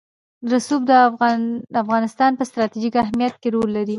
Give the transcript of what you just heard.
رسوب د افغانستان په ستراتیژیک اهمیت کې رول لري.